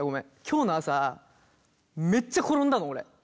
今日の朝めっちゃ転んだの俺。